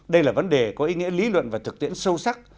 đây là vấn đề có ý nghĩa lý luận và thực tiễn sâu sắc